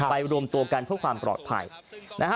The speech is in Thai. รวมตัวกันเพื่อความปลอดภัยนะฮะ